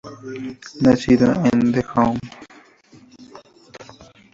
Nacido en The Hon.